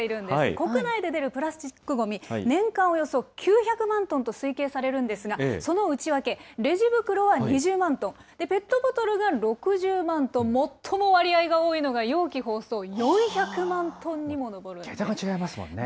国内で出るプラスチックごみ、年間およそ９００万トンと推計されるんですが、その内訳、レジ袋は２０万トン、ペットボトルが６０万トン、最も割合が多いのが容器・包装４００万トンにも上るんで桁が違いますもんね。